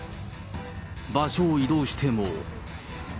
場所を移動しても。